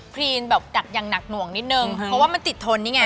พรีนแบบดักอย่างหนักหน่วงนิดนึงเพราะว่ามันติดทนนี่ไง